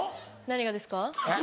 何がですか？